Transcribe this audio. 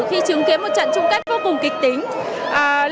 khi chứng kiến một trận trung cấp vô cùng kịch tính